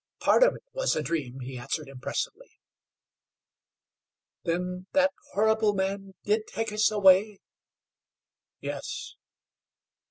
"Part of it was a dream," he answered, impressively. "Then that horrible man did take us away?" "Yes."